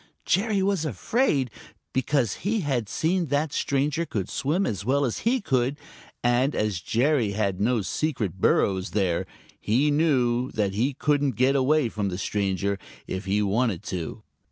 Jerry was afraid, because he had seen that the stranger could swim as well as he could, and as Jerry had no secret burrows there, he knew that he couldn't get away from the stranger if he wanted to.